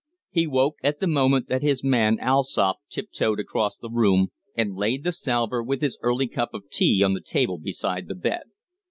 He woke at the moment that his man Allsopp tiptoed across the room and laid the salver with his early cup of tea on the table beside the bed.